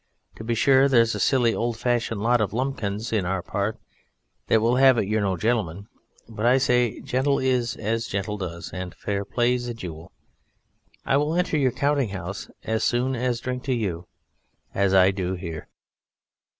To be sure there's a silly old fashioned lot of Lumpkins in our part that will have it you're no gentleman, but I say, 'Gentle is as Gentle does,' and fair play's a jewel. I will enter your counting house as soon as drink to you, as I do here."